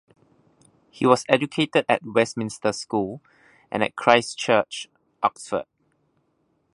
He was educated at Westminster School and at Christ Church, Oxford.